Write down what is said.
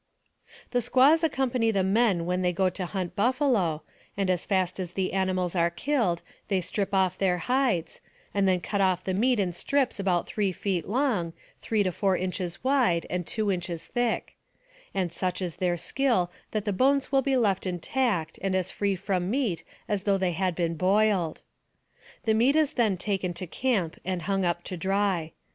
The squaws accompany the men when they go to hunt buffalo, and as fast as the animals are killed, they strip off their hides, and then cut oft* the meat in strips about three feet long, three to four inches wide, and two inches thick; and such is their skill that the bones will be left intact, and as free from meat as though they had been boiled. The meat is then taken to camp and hung up to dry.